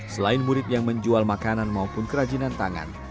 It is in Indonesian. selain murid yang menjual makanan maupun kerajinan tangan